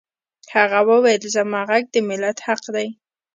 هغه وویل زما غږ د ملت حق دی